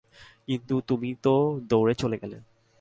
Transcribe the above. কিন্তু তুমি তো দৌড়ে চলে গেলে।